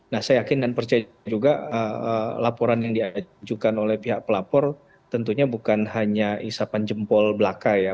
nah saya yakin dan percaya juga laporan yang diajukan oleh pihak pelapor tentunya bukan hanya isapan jempol belaka ya